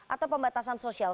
atau pembatasan sosial